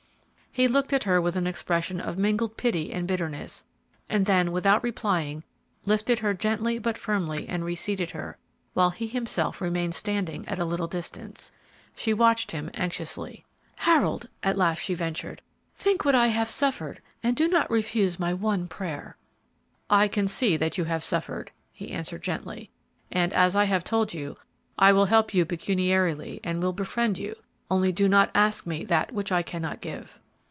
He looked at her with an expression of mingled pity and bitterness, and then, without replying, lifted her gently but firmly and reseated her, while he himself remained standing at a little distance. She watched him anxiously. "Harold," at last she ventured, "think what I have suffered, and do not refuse my one prayer." "I can see that you have suffered," he answered, gently; "and, as I have told you, I will help you pecuniarily and will befriend you, only do not ask me that which I cannot give."